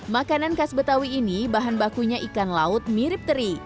makanan khas betawi ini bahan bakunya ikan laut mirip teri